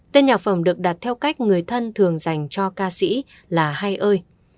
tên nhạc phẩm được đặt theo cách người thân thường dành cho ca sĩ là hay ơi